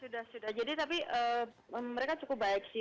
sudah sudah jadi tapi mereka cukup baik sih